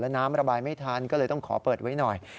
น้ำระบายไม่ทันก็เลยต้องขอเปิดไว้หน่อย